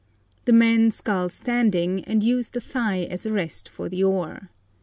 The men scull standing and use the thigh as a rest for the oar.